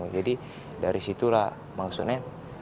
jadi dari situlah maksudnya